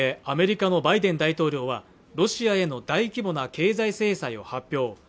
アメリカのバイデン大統領はロシアへの大規模な経済制裁を発表